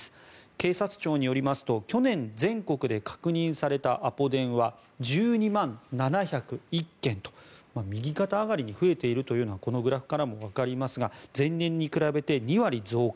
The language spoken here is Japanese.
警察庁によりますと去年、全国で確認されたアポ電は１２万７０１件と右肩上がりに増えているのがこのグラフからもわかりますが前年に比べて２割増加。